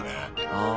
ああ。